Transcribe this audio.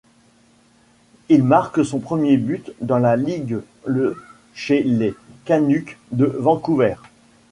Il marque son premier but dans la ligue le chez les Canucks de Vancouver.